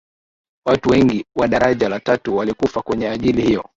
watu wengi wa daraja la tatu walikufa kwenye ajali hiyo